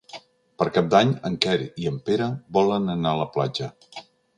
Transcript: Per Cap d'Any en Quer i en Pere volen anar a la platja.